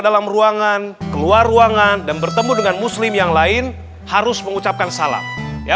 dalam ruangan keluar ruangan dan bertemu dengan muslim yang lain harus mengucapkan salam